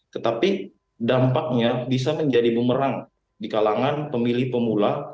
tetapi dampaknya bisa menjadi bumerang di kalangan pemilih pemula